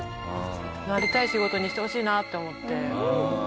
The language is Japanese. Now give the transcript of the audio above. なりたい仕事にしてほしいなって思ってますね。